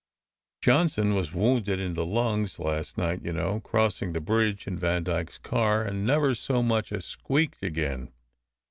Johnson was wounded in the lungs last night, you know, crossing the bridge in Vandyke s car, and never so much as squeaked again.